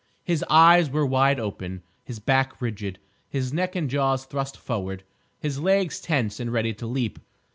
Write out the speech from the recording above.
His eyes were wide open, his back rigid, his neck and jaws thrust forward, his legs tense and ready to leap.